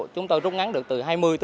chúng ta rút ngắn được từ hai mươi ba mươi